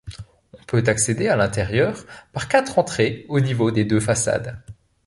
On peut accéder à l'intérieur par quatre entrées au niveau des deux façades.